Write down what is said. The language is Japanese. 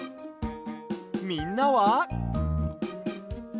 みんなは？